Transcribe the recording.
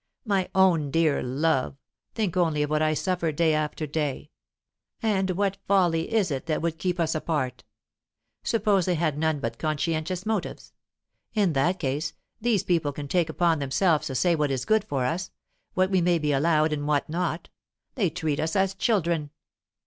My own dear love, think only of what I suffer day after day! And what folly is it that would keep us apart! Suppose they had none but conscientious motives; in that case, these people take upon themselves to say what is good for us, what we may be allowed and what not; they treat us as children.